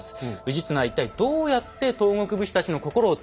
氏綱は一体どうやって東国武士たちの心をつかんだのか。